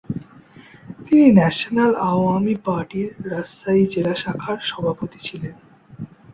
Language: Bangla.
তিনি ন্যাশনাল আওয়ামী পার্টির রাজশাহী জেলা শাখার সভাপতি ছিলেন।